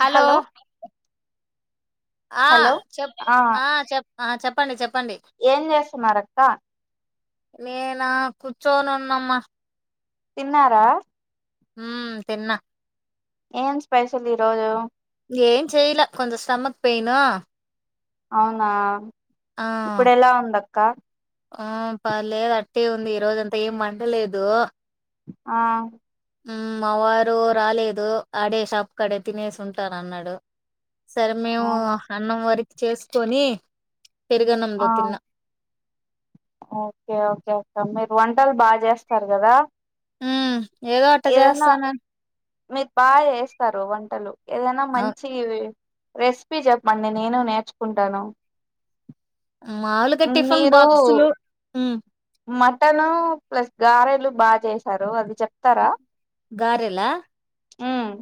Hello ఆ hello చెప్పు ఆ చెప్ ఆ చెప్పండి చెప్ ఏం చేస్తున్నారక్కా నేనా కూర్చొనున్నమ్మా తిన్నారా మ్మ్ తిన్న ఏమ్ స్పెషల్ ఈరోజు ఏం చెయలే కొంత స్టమక్ పెయిను అవునా ఆ ఇప్పుడు ఎలా ఉందక్క ఆ పలే టె ఉంది ఈ రోజు అంత ఏం వండలేదు ఆ మా వారు రాలేదు ఆడే షాప్ కడే తినేసి ఉంటారు అన్నాడు సరే మేము అవునా అన్నం వారికి చేసుకొని పెరుగణంలో ఆ తిన్న ఓకే ఓకే అక్క మీరు వంటలు బాగా చేస్తారు కదా హ్మ్ ఏదో అట ఏదైనా చేస్తాను మీరు బాగా చేస్తారు వంటలు ఏదైనా మంచిగా రెసిపీ చెప్పండి నేను నేర్చుకుంటాను మాముూలుగా టిఫిన్ బాక్సులు మ్మ్ మటన్ ప్లస్ గారెలు బాగా చేసారు అది చెప్తారా గారెలా మ్మ్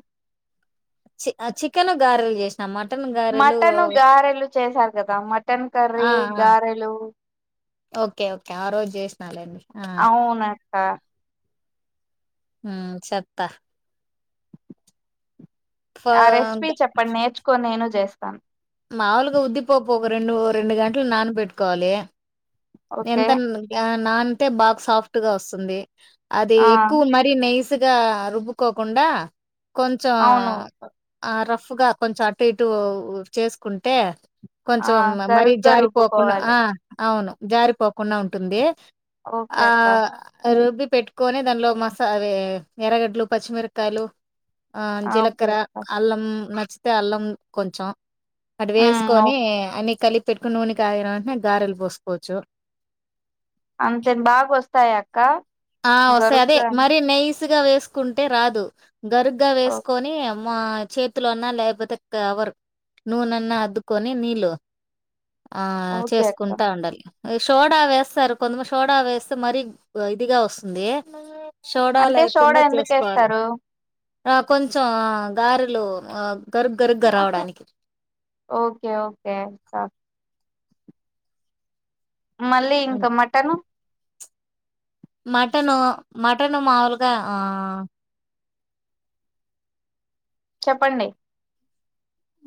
చి చికెన్ గారెలు చేసిన మాట్ మటన్ గారెలు చేసారు కదా మటన్ కర్రీ ఆ ఆ గారెలు నాలేండి అవున ఆ మ్మ్ చెత్త ఫ ఆ రెసిపి చెప్పండి నేర్చుకోని నేను చే స్తాను మాములుగా ఉద్ది పప్పు ఒక రెండు రెండు గంటలు నానబెట్టుకోవాలి. ఓకే ఎంతన్నది క్యాన్ నాన్తే బాగ సాఫ్ట్ గా వస్తుంది అది ఆ ఎక్కువ మరి నైస్ గా రుబ్బుకోకుండా కొంచెం అవును ఆ రఫ్గా కొంచెం అటు ఇటు చేసుకుంటే ఆ కొంచెం మరీ గరుగ్గా జారిపోకుండా రుబ్బుకోవాలి ఆ అవును జారిపోకుండా ఉంటుంది ఓకే ఆ అక్క రుబి పెట్టుకొని దానిలో మసా అదీ ఎర్రగడ్డలు పచ్చి మిరకాయలు ఆ ఓకే జిలకర అక్క అల్లం నచి తే అల్లం కొంచం అటు ఉమ్ ఓ- వేసుకొని అన్ని కలి పెట్టుకుని నూనే కాగిన వెంటనే గారెలు పోస్ కోవచ్చు అంతే బా వస్త్ తాయాక్క ఆ వస్తాయి అదే మరి నై స్ గా వేసుకుంటే రాదు గరుగ్గా ఓ- వేసుకొనీ మా చేతులో అన్నా లేకపోతే కవర్ నూనెన్నా అద్దుకొని నీళ్ళు ఆ ఓకే అక్క చేసుకుంటా ఉండాలి షోడా వేస్తారు కొంతమంది షోడా వేస్తే మరీ ఇదిగా వస్తుంది సోడా అంటే శోడా లేకుండా చేసుకోవాలి ఎందుకేస్తారు ఆ కొంచెం గారెలు గరుగ్గరుగ్గా రావడానికి ఓకే ఓకే క మళ్ళీ ఇంకా మటను మటను మటన్ మాముూలుగా ఆ చెప్పండి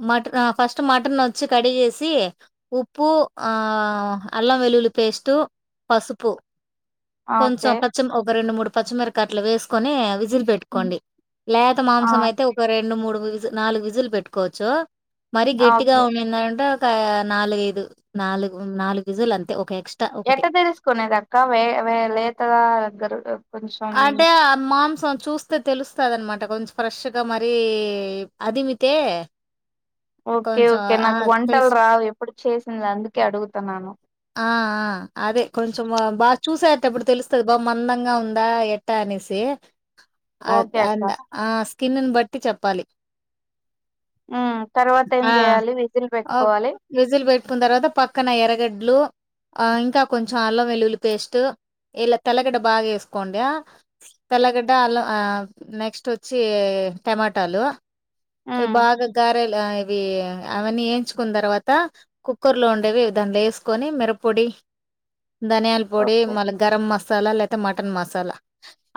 మట్కా ఫస్ట్ మటన్ వచ్చి కడిగేసి ఉప్పు ఆ అల్లం వెల్లుల్లి పేస్టు పసుపు ఆ, ఓకే కొంచం పచ్చం ఒక రెడు మూడ్ పచ్చమీర్కట్లు వేసుకొని విజిల్ ఉమ్, పెట్టుకోండి లేత ఆ మాంసం అయితే ఒక రెండు మూడు విజు నాలుగు విజులు పెట్టుకోవచ్చు మరీ ఆ, గట్టిగా ఓకే ఉనిందింటే నాలుగైదు నాలుగు నాలుగు విజిల్ అంతే ఒక హెచ్ అట్ట తెలుసుకునేదక్క వే వే లే త గరు కొంచెం అంటే ఆ మాంసం చూస్తే తెలుస్తదనమ అంట కొంచెం ఫ్రెష్గా మరీ అదిమితే ఓకే కొంచెం ఓకే ఆ! నాకు వంటల్ తెలుసు. రావు ఎప్పు చేసింది అందుకే, అడుగుతున్నాను ఆ! ఆ! అదే కొంచెం బా చూసేటప్పుడు తెలుస్తుది బా మందంగా ఉందా ఎట్ట ఆనేసి అ ఓకే అక్క. అంద ఆ కిన్నని బట్టి చెప్పాలి హ్మ్. తర్వాత ఏం జేయాలి? విజిల్ ఆ పెట్టుకోవాలి. విజిల్ పెట్టుకున్న తర్వాత పక్కన ఎరగడ్ ఇంకా కొంచెం అల్లం వెల్లుల్లి పేస్ట్ ఇల తెల్లగడ్డ బాగా వేసుకోండి తెల్లగడ్డ అల్ల నెక్స్ట్ వచ్చి టమాటాలు ఇవి హ్మ్. బాగా గార ఇవి అవన్నీ వేయించుకున్న తర్వాత కుక్కర్ లో ఉండేవి ధన్లో వేసు కొని మీరపోడి ధనియాల పొడి ఓకే. మళ్ళ గరం మసాలా లేతే మ మటన్ మసాలా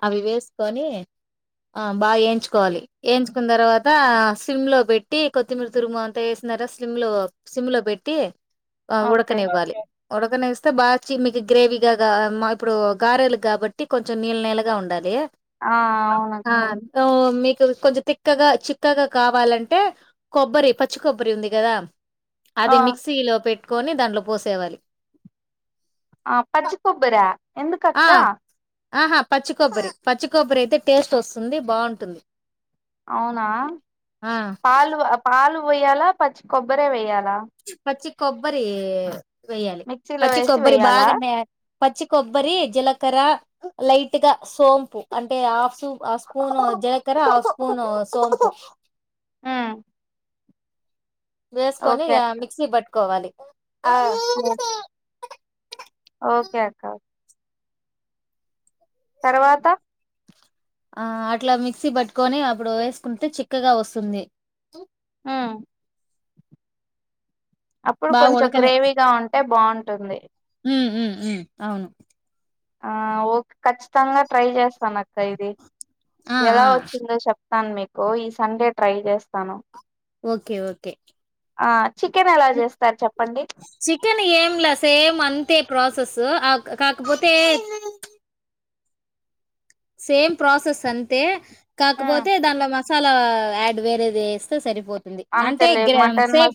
అవి వేసుకొని, ఆ బాగా వేయించుకోవాలి వేయించుకున్న తర్వాత సిమ్ లో పెట్టి కొత్తిమీర తురుమ అంతా వేసిన తర సిమ్లో సిమ్లో పెట్టి ఆ వు ఓకే. ఉడకనివ్వాలి ఉడకనిస్తే బాగ మీకు గ్రేవీగా ఇప్పుడు గారెలు కాబట్టి కొంచెం నీళ్ళ నీళ్ళగా ఉండాలి ఆ! ఆ అవునక్క. తో కొంచెం తిక్కగా, చిక్కగా, కావాలంటే కొబ్బరి పచ్చి కొబ్బరి ఉంది కదా ఆ! అది మిక్సీలో పె కొని దాన్ పోసేవాలి ఆ పచ్చి కొబ్బర్య ఆ ఎందుకక్క ఆహా, పచ్చికబ్బరి పచ్చి కొబరి అయితే టేస్ట్ వస్తుంది బాగుంటుంది అవునా ఆ పాలు పాలు పోయ్యాలా పచ్చి కొబ్బరే వయల పచ్ కొబ్బరి వెయ్యాలి మిక్సీలో పచ్చి వేసి కొబ్బరి వెయ్యాలా? బాగానే పచ్చి కొబ్బరి జీలకర లైట్ గా సోంపు అంటే ఆఫ్ అఫ్ స్పూను జలకర ఆఫ్ స్పూన్ సోంపు ఉ వేస్కొని ఇగ మిక్సీ బట్ కోవాలి ఆఓ ఓకే అక్క తర్వాత ఆ అట్లా మిక్సీ పట్టుకొని అప్పుడు వేసుకుంటే చిక్కగా వస్తుంది ఆ అప్పుడు బాగా కొంచెం ఉడకని గ్రేవీగా ఉంటే బ టున్తుంది ఉ ఉమ్ అవును ఆ ఓ ఖచ్చితంగా ట్రై చేస్తాను అక్క ఇది ఆ ఎలా ఆ వచ్చిందో చెప్ప వస్తాను మీకు ఈ సండే ట్రై చేస్తాను ఓకే ఓకే ఆ చికెన్ ఎలా చేస్తారు చెప్ చికెన్ ఏంలా సేమ్ అంతే ప్రాసెస్ కాకపోతే సేమ్ ప్రాసెస్ అంతే ఉమ్ కాకపోతే దానిలో మ మసాలా యాడ్ వేరేది వేస్తే సరిపోతుంది అంటే గ్రామ్ సేమ్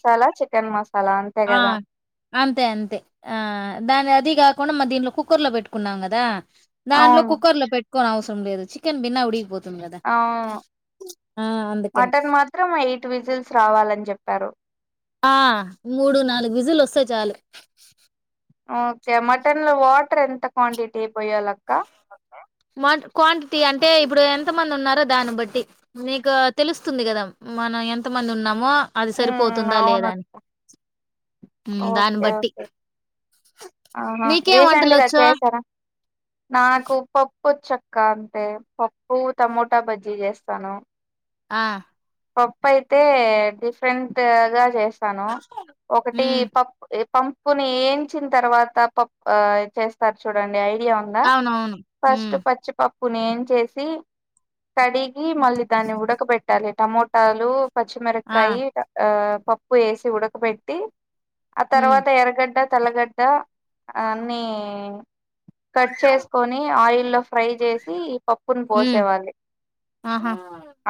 తెన్ మ ఆ అంతే అంతే ఆ దాని అది కాకుండా మా దీంట్లో కుక్కర్ లో పెట్టుకున్నాం కదా దానిలో అవును కుకర్ లో పెట్ న అవసరం లే చికెన్ బిన్న ఉడిపో ఆ అందుకని మటన్ మాత్రం ఎయిట్ విజిల్స్ రావాలని చెప్ తారు ఆ మూడు నాలుగు విజులు వస్తే చాలు ఓకే మటన్ లో వాటర్ ఎంత క్వాంటిటీ పోయేలా అక్క క్వాంటిటీ అంటే ఇప్పుడు ఎంత మంది ఉన్నారో దాన్ని బట్టి మీకు తెలుస్తుంది కదా మనం ఎంత మంది ఉన్నామో అది ఉమ్ సరిపోతుందా అవున లేదా అని దాన్ని ఓకే బట్టి ఓకే ఆహా నీకేం రీసెంట్ వంటలు గా వచ్చు చేసారా నాకు పప్పు వచ్చక్క అంతే పప్పు టమోటా బజ్జీ చేస్తాను ఆ పప్పు అయితే డిఫరెంట్ గా చేస్త స్తాను ఒకటి ఉమ్ పప్పు పంపుని ఏయించిన తర్వాత ప చేస్తారు చూడండి అ ఉందా అవునవును ఫస్ట్ ఉమ్ పచ్చిపాప్పు ప్పుని ఏన్చేసి కడిగి మళ్ళీ దాన్ని ఉడకబెట్టాలి టమోటాలు ఆ పచ్చిమిరకాయి ఆ పప్పు వేసి ఉడకబెట్టి ఆ ఉమ్ తర్వాత ఎరగడ్డ తేలగడ్డ అన్ని కట్ చేసుకొని ఆయిల్ హలో ఫ్రై చేసి పప్పును ఉమ్ పోసేవాళ్ళి ఆహా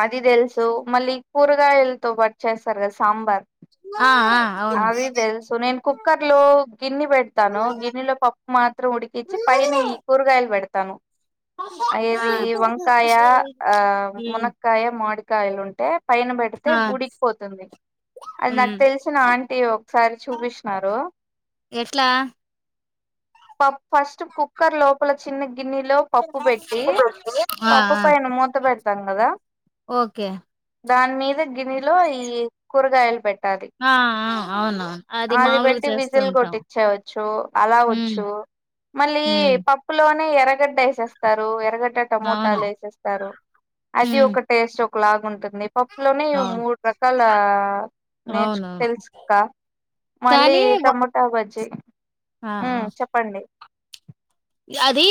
అది తెలిసి సో మళ్ళీ కూరగాయలతో పాటు చేస్తారు కదా సాంబార్ ఆ ఆ అవును కుక్కర్లో గిన్ని పెడతాను గిన్నిలో పప్పు మాత్రం ఉడికించి పైన ఈ కూరగాయలు పెడతా తను ఆ ఏది వంకాయ ఆ ఉమ్ మునక్కాయ మావిడి కాయలు ఉంటె పైన పెడితే ఆ ఉడికి పోతుంది అది నాకు ఉమ్ తెలిసిన ఆంటీ ఒకసారి చూపించినారు ఎట్లా ఫస్ట్ కుక్కర్ లోపల చిన్న గిన్నెలో పప్పు పెట్టి ఆ పప్పు ఆ పైన మూత పె తంగదా ఓకే దాని మీద గిన్నెలో ఈ కూరగాయలు పె ఆ ఆ అవునవును అది మాములుగా పెట్టి చేస్తూ విజిల్ ఉంటాం కొట్టించేవచ్చు అలా ఉమ్ వచ్చు మళ్ళీ హ్మ్. పప్పులో ఎరగడ్డ ఏసేస్తారు ఎరగడ్డ అవును. టమోటాలు యేసేస్తారు అది హ్మ్. ఒక టేస్ట్ లాగ ఉంటది కంది పప్పు లోనే అవును. మూడు రకాల నేర్చు అవునవును. తెలుసుకా మళ్ళీ కానీ వ టమోటా బజ్జీ ఆ! ఉ ఆ! చెప్పండి అది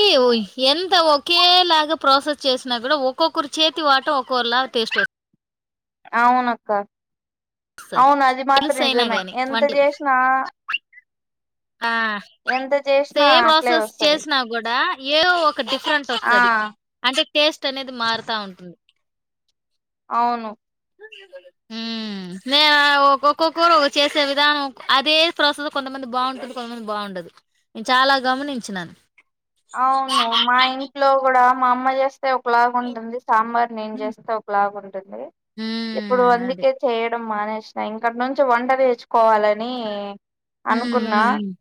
ఎంత ఒకేలాగా ప్రాసెస్ చేసినా కూడా ఒక్కొక్కరు చేతి వాటం ఒక్కొరిలాటేస్ట్ వస్తది అవును అక్క వస్తుంది తెలుస అయినా గాని ఎంత వంటలు చేసినా ఆ ఎంత చేసినా సేమ్ అట్లే ప్రాసెస్ వస్తది చేసినా కూడా ఏవో ఒక డిఫరెంట్ ఆ వస్తది అంటే టేస్ట్ అనేది మారాతా ఉంటుంది అవును నేను ఒక్కొక్కొక్కరు చేసే విధానం అదే ప్రస కొంతమంది బాగుంటుంది కొంతమంది బాగుండదు నేను చాలా గమనించినాను అవును మా ఇంట్లో కూడా మా అమ్మ చేస్తే ే ఒకలాగా ఉంటుంది సాంబార్ నేన్ హ్మ్. చేస్తే ఒకలాగా ఉంటుంది ఇప్పుడు హ్మ్. అది. అందుకే చేయ మానేసినా ఇంకా నుంచి వంట నేర్చుకోవాలని హ్మ్. అనుకున్నా హ్మ్. హ్మ్.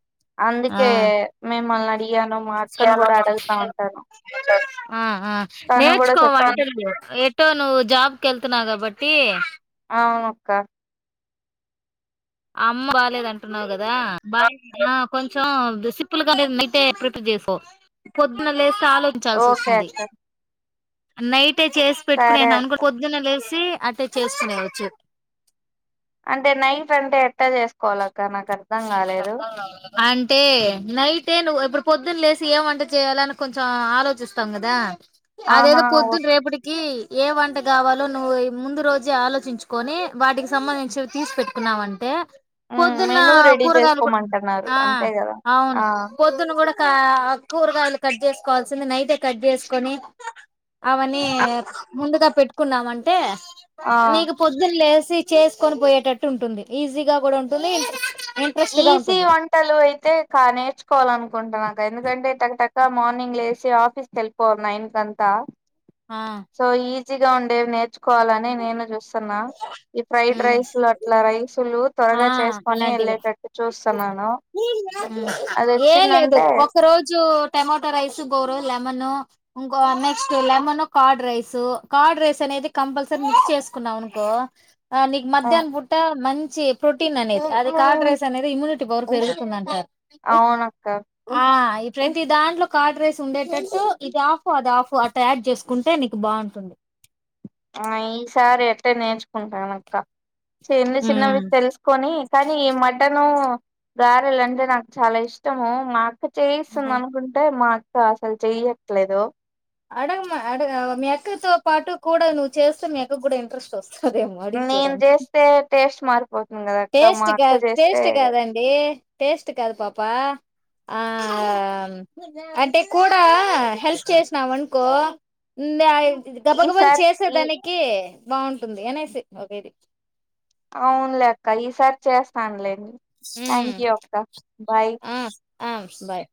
ఆ అందుకే మేమల్లా అ మార్గ ఆ తను కూడా నేర్చుకో చెప్తుంది వంటర్ ఎటో నువ్వు జాబ్కి వెళ్తున్నా కాబట్ ఏ అనక్క అమ్మ బాలలేద అంటున్నావు కదా బాగా కొంచెం సిపుల్ గానే నీటే ప్రిపేర్ చేసావు పొద్దున లే ఆలోించాల్సి ఓకే వస్తుంది అక్క నైట్ అే చేసి పెట్టుకునే సరే అనుకో అక్క పొద్దున్న లేేసి అంటే చేసుకునే వచ్చు అంటే నైట్ అంటే ఎ చేసుకోవాల ఇకా నాకు అర్థం కాలేదు అంటే నైటే నువ్వు ఇప్పుడు పొద్దున్న లేసి ఏం వంట చేయాలని కొంచెం ఆలోచిస్తాం కదా ఆహా అదేదో ఓ- పొద్దున రేపటికి ఏ వంట కావాలో నువ్వు ఈ ముందు రోజే ఆలోచించుకొని వాటికి సంబంధించి తీసి పెెట్టుకున్నావంటే ఉమ్, మెనూ రెడీ కూరగాయలు కూడా చేసుకోమంటున్నారు ఆ అంతే కదా అవును ఆ పొద్దున్న కూడా కూరగాయలు కట్ చేసుకోవాల్సింది నైతే కట్ చేసుకొని అనే ఆ ముందుగా పెట్టు కున్నామంటే ఆ నీకు పొద్దున్ లేస్ తీ చేసుకొని పోయేటట్టు ఉంటుంది ఈజీగా కూడా ఉంటుంది ఇంట్రెస్ట్ గా ఈజీ ఉంటుంది వంటలు అయితే కా నేర్చుకోవాల అనుకుంటున్నా ఎందుకంటే టకటకా మార్నింగ్ లేేసి ఆఫీస్కి వెళ్ళిపోవల్ నైన్ కంతా ఆ సో ఈ చిగా ఉండేవి నేర్చుకోవాలని నేను చూస్తున్ తున్నవ్ ఈ ఫ్రైడ్ ఉమ్ రైస్లు అట్లా రైసులు ఆ త్వరగా చేసుకొని అలాంటివి వెళ్ళేటట్ అది ఏం లేదు వచ్చిందంటే ఒక రోజు టమోటో రైస్ గోరు లెమన్ ఇంకో next lemon curd rice curd rice అనేది కంపల్సరీ మిక్స్ చేసుకున్నాం అనుకో ఆ నీక్ ఆ, మధ్యాన్ బుట మంచి చెబ్ ప్రోటీన్ అనేది అది కాడ్ రైస్ అనేది ఇమ్యూనిటీ పవర్ పెరుగుతుంది అంటారు ఉఫ్ అవునక్క ఆ ప్రతి దాంట్లో కాడ్ రైస్ ఉండేటట్టు ఇది ఆఫ్ అది ఆఫ్ అట్ యాడ్ చేసుకుంటే నీకు బావుంటుంది ఆ ఈసారి అట్టే నేర్చుకుంటానక్క చిన్న చిన్నవి ఉమ్ తెలుసుకొని కానీ ఈ మటను గారెలు అంటే నాకు చాలా ఇష్టము మాకు ఇ చేయిస్తుంది ఆహా అనుకుంటే మా కా అసలు చెయ్యట్లేదు అడగమ్ అడ అవ్ మీ అక్కతో పాటు కూడా నువ్వు చేస్తే మీయ్యాకక్ కూడా ఇంట్రెస్ట్ వస్తు నేను చేస్తే టేస్ట్ స్మార్ టేస్ట్ కా టేస్ట్ కాదండి టేస్ట్ కాదు పాప ఆ అంటే కూడా హెల్ప్ చేసినా వనుకో న ఇది గబగబని ఈసారి చేసే ఈ దానికి బాగుంటుంది అనేసి ఒకిది అవునులే అక్క ఈసారి చేస్తానులేం థ్యాంక్ యూ అక్క బాయ్ ఆమ్ బాయ్